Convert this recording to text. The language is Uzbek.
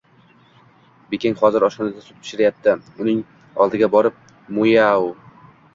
Bekang hozir oshxonada sut pishiryapti, uning oldiga borib Mya-u-u